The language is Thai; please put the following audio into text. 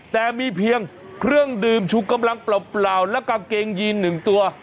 แต่มีเพียงเครื่องดื่มชูกำลังเปล่าและกางเกงยีน๑ตัว